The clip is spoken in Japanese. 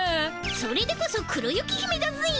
それでこそ黒雪姫だぜ！